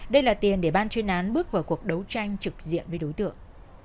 đây là tiền để ban chuyên án bước vào cuộc đấu tranh trực diện với đối tượng